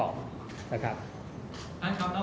ท่านครับรอบจาก๑๖รายครับในประมาณ๔๐๐รายที่เราเช็คครับ